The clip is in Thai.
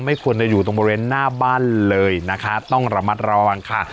ไม่ควรจะอยู่ตรงบริเวณหน้าบ้านเลยนะคะต้องระมัดระวังค่ะ